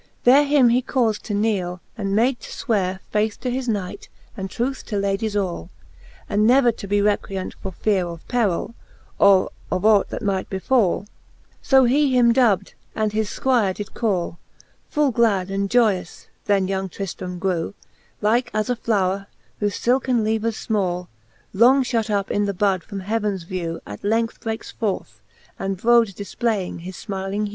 XXXV. There him he caufd to kneele, and made to fweare Faith to his knight, and truth to Ladies all, And never to be recreant, for feare Of perill, or of ought that might befall: So he him dubbed, and his Squire did call. Full glad and joyous then young Tnfiram grew, Like as a flowre, whofe filken leaves fmall. Long fhut up in the bud from heavens vew, At length breakes forth, and brode diiplayes his fmyling hew. Vol. III. H h XXXVI.